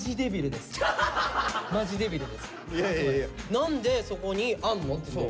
「何でそこにあんの？」っていう。